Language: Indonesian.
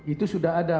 itu sudah ada